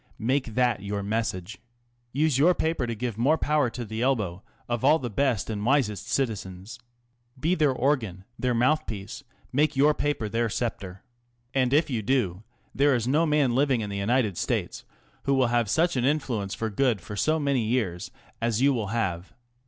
Make that your message. Use your paper to give more power to the elbow of all the best and wisest citizens. Be their organ, their mouth piece, make your paper their sceptre. And if you do, there is no man living in the United States who will have such an influence for good for so many years as you will have.